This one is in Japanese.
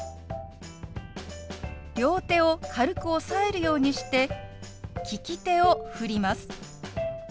両手を軽く押さえるようにして利き手を振ります。